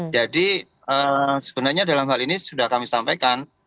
sebenarnya dalam hal ini sudah kami sampaikan